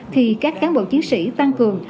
thì các cán bộ chiến sĩ tăng cường